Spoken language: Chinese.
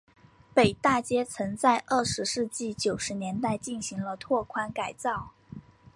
北大街曾在二十世纪九十年代进行了拓宽改造。